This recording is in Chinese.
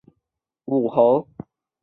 张玄靓于和平元年获张祚封为凉武侯。